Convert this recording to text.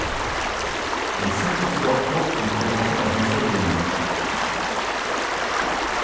Les cinq histoires courtes sont présentées dans un seul volume.